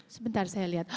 sebentar saya lihat